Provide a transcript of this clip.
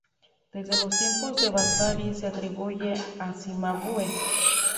Desde los tiempos de Vasari se atribuye a Cimabue.